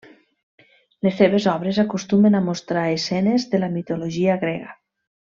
Les seves obres acostumen a mostrar escenes de la mitologia grega.